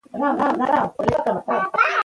کار به تر ماښامه ختم شوی وي.